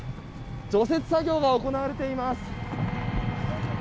除雪作業が行われています。